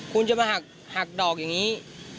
คุณจะมาหักดอกอย่างนี้